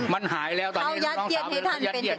มันหายแล้วตอนนี้